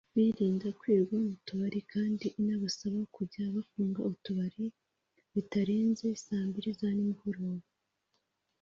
birinda kwirirwa mu tubari kandi inabasaba kujya bafunga utubari bitarenze saa mbiri za nimugoroba